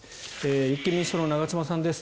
立憲民主党の長妻さんです。